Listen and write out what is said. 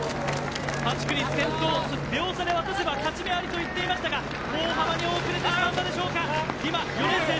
８区に先頭、秒差で渡せば勝ち目ありと言っていましたが大幅に遅れてしまったでしょうか